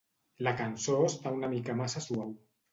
La cançó està una mica massa suau.